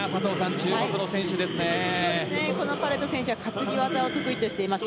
このパレト選手は担ぎ技を得意としています。